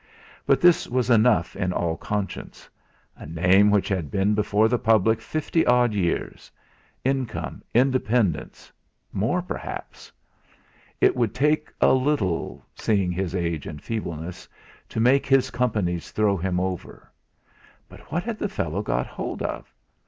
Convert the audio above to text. But this was enough in all conscience; a name which had been before the public fifty odd years income, independence, more perhaps. It would take little, seeing his age and feebleness, to make his Companies throw him over. But what had the fellow got hold of?